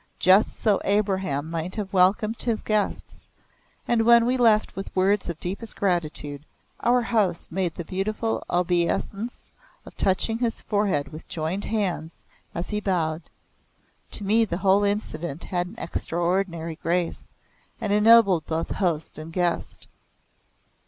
Just so Abraham might have welcomed his guests, and when we left with words of deepest gratitude, our host made the beautiful obeisance of touching his forehead with joined hands as he bowed. To me the whole incident had an extraordinary grace, and ennobled both host and guest.